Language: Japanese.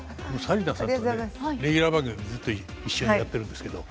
紗理奈さんとねレギュラー番組ずっと一緒にやってるんですけど。